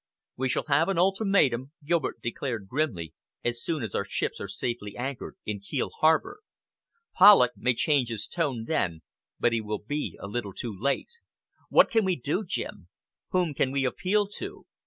'" "We shall have an ultimatum," Gilbert declared grimly, "as soon as our ships are safely anchored in Kiel harbor. Polloch may change his tone then, but he will be a little too late. What can we do, Jim? Whom can we appeal to?"